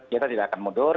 kita tidak akan mundur